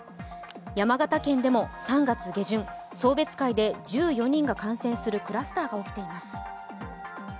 山形県でも３月下旬、送別会で１４人が感染するクラスターが起きています。